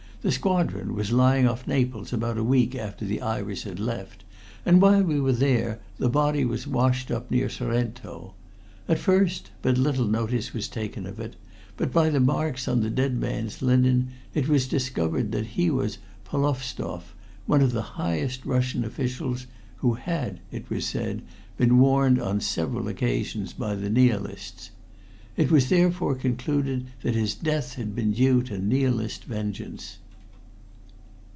The squadron was lying off Naples about a week after the Iris had left, and while we were there the body was washed up near Sorrento. At first but little notice was taken of it, but by the marks on the dead man's linen it was discovered that he was Polovstoff, one of the highest Russian officials who had, it was said, been warned on several occasions by the Nihilists. It was, therefore, concluded that his death had been due to Nihilist vengeance."